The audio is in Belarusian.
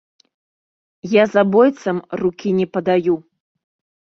Я забойцам рукі не падаю.